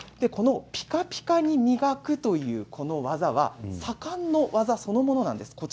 このピカピカに磨くという技は左官の技そのものなんです。